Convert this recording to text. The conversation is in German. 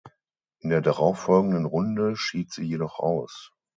In der darauffolgenden Runde schied sie jedoch aus.